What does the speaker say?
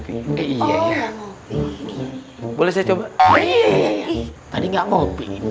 ini boleh saya coba tadi nggak mau